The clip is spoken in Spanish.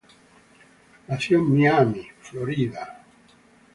Nació en Miami, Florida.